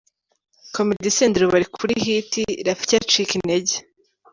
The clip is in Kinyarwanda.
Comedy Senderi ubu ari kuri hit ,Rafiki acika intege.